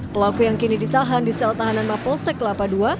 pelaku yang kini ditahan di sel tahanan mapolsek kelapa ii